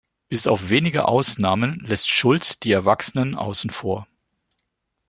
Bis auf wenige Ausnahmen lässt Schulz die Erwachsenen außen vor.